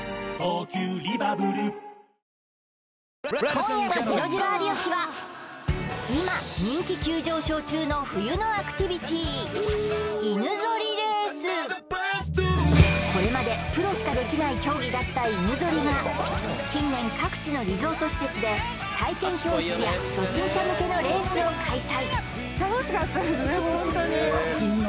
今夜の「ジロジロ有吉」は今これまでプロしかできない競技だった犬ぞりが近年各地のリゾート施設で体験教室や初心者向けのレースを開催